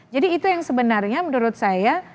jadi itu yang sebenarnya menurut saya